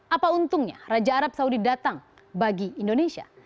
apa untungnya raja arab saudi datang bagi indonesia